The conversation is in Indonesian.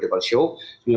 terima kasih banyak